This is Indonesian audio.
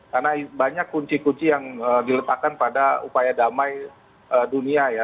karena banyak kunci kunci yang diletakkan pada upaya damai dunia ya